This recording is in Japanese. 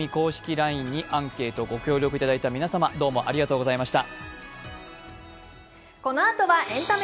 ＬＩＮＥにアンケートご協力いただいた皆さん、どうもありがとうございました。